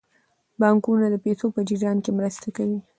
بانکونه د پیسو په جریان کې مرسته کوي.